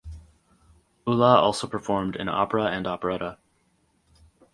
Ulla also performed in opera and operetta.